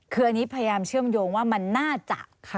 คืออันนี้พยายามเชื่อมโยงว่ามันน่าจะ